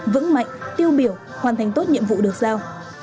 vững mạnh tiêu biểu hoàn thành tốt nhiệm vụ được giao